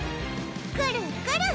くるくる！